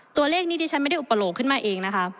ตัวเลขนี้ที่ฉันไม่ได้อุปโลกขึ้นมาเองนะคะ